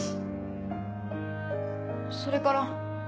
それから。